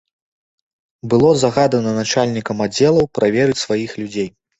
Было загадана начальнікам аддзелаў праверыць сваіх людзей.